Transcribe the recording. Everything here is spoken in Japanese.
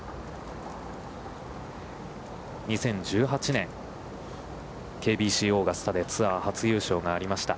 ２０１８年、ＫＢＣオーガスタでツアー初優勝がありました。